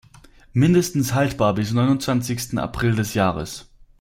Mindestens haltbar bis neunundzwanzigten April des Jahres.